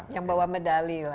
yang bawa medali lah